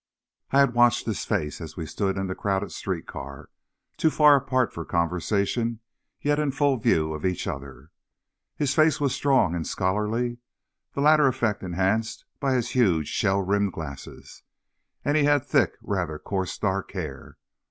I had watched his face, as we stood in the crowded street car, too far apart for conversation, yet in full view of each other. His face was strong and scholarly, the latter effect enhanced by his huge, shell rimmed glasses, and he had thick, rather coarse dark hair.